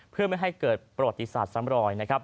เพื่อไม่ให้เกิดประวัติศาสตร์ซ้ำรอยนะครับ